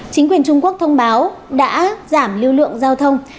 chính quyền trung quốc thông báo đã giảm lưu lượng giao thông